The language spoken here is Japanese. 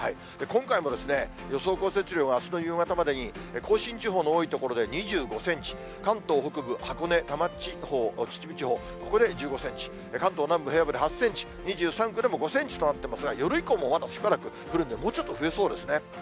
今回も予想降雪量はあすの夕方までに甲信地方の多い所で２５センチ、関東北部、箱根、多摩地方、秩父地方、ここで１５センチ、関東南部、平野部で８センチ、２３区でも５センチとなっていますが、夜以降もまだ、しばらく降るんで、もうちょっと増えそうですね。